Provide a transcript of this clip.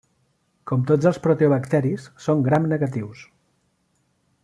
Com tots els proteobacteris, són gram-negatius.